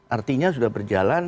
artinya sudah berjalan